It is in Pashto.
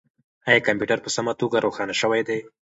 آیا کمپیوټر په سمه توګه روښانه شوی دی؟